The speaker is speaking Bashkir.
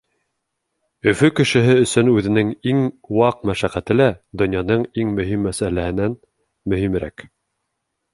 Өфө кешеһе өсөн үҙенең иң ваҡ мәшәҡәте лә донъяның иң мөһим мәсьәләһенән мөһимерәк.